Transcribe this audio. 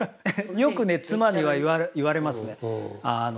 よくね妻には言われますね。